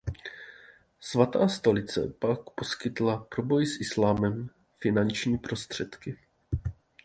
Svatá stolice pak poskytla pro boj s islámem finanční prostředky.